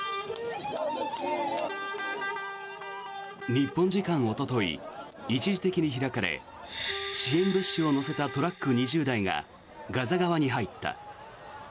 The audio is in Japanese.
日本時間おととい一時的に開かれ支援物資を載せたトラック２０台がガザ側に入った。